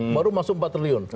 baru masuk empat triliun